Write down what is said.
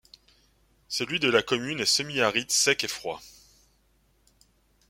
Celui de la commune est semi-aride sec et froid.